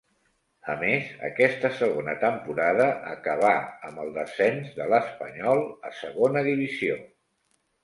A més, aquesta segona temporada acabà amb el descens de l'Espanyol a Segona Divisió.